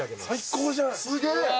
最高じゃん。